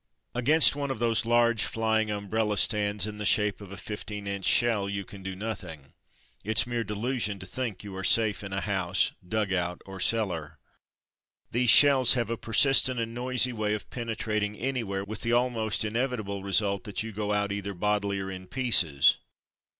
Against one of those large, flying umbrella stands, in the shape of a fifteen inch shell, you can do nothing. It's mere delusion to think you are safe in a house, dugout, or cellar. These shells have a per sistent and noisy way of penetrating any where, with the almost inevitable result that you go out either bodily or in pieces.